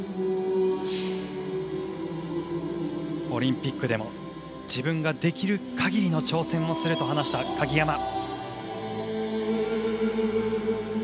オリンピックでも自分ができる限りの挑戦をすると話した鍵山。